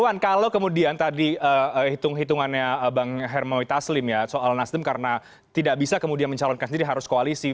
bang kalau kemudian tadi hitung hitungannya bang hermawi taslim ya soal nasdem karena tidak bisa kemudian mencalonkan sendiri harus koalisi